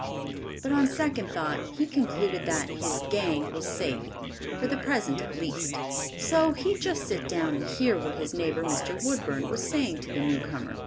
But on second thought he concluded that "his gang" was safe, for the present at least; so he'd just sit down and hear what his neighbor, Mr. Woodburn, was saying to the newcomer.